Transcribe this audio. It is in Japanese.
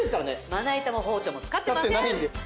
まな板も包丁も使ってません！